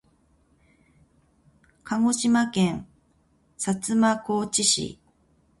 鹿児島県薩摩川内市